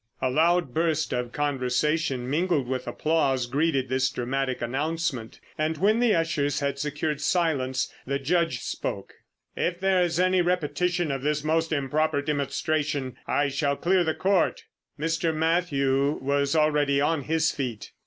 A loud burst of conversation mingled with applause greeted this dramatic announcement, and when the ushers had secured silence the Judge spoke: "If there is any repetition of this most improper demonstration, I shall clear the Court." Mr. Mathew was already on his feet.